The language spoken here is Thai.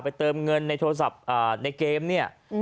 เติมเงินในโทรศัพท์ในเกมเนี่ย